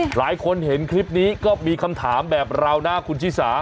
หลายคนเห็นคลิปนี้ก็มีคำถามแบบเรานะคุณชิสา